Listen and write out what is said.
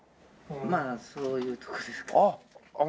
まあそういうとこですか。